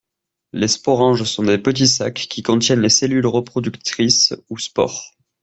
Les sporanges sont des petits sacs qui contiennent les cellules reproductrices, ou spores.